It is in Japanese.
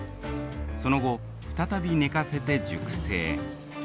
その後再び寝かせて熟成。